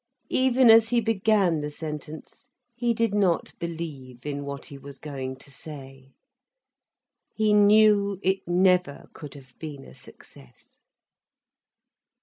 Even as he began the sentence, he did not believe in what he was going to say. He knew it never could have been a success.